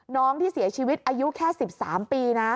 น้องที่เสียชีวิตอายุแค่๑๓ปีนะ